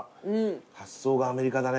発想がアメリカだね。